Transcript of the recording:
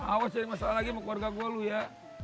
awas jadi masalah lagi sama keluarga gue lo ya